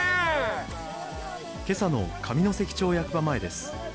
けさの上関町役場前です。